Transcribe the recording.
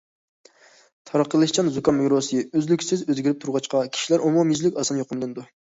تارقىلىشچان زۇكام ۋىرۇسى ئۈزلۈكسىز ئۆزگىرىپ تۇرغاچقا، كىشىلەر ئومۇميۈزلۈك ئاسان يۇقۇملىنىدۇ.